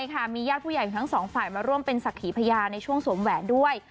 ใช่ค่ะมียาดผู้ใหญ่ของทั้งสองฝ่ายมาร่วมเป็นศักดิ์หรือพญาในช่วงสวมแหวนด้วย